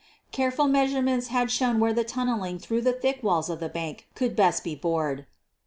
Careful measurements had shown where the tun neling through the thick walls of the bank could best be bored.